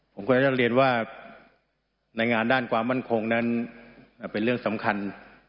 ผมควรจะเรียนว่าในงานด้านความมั่นคงนั้นเป็นเรื่องสำคัญ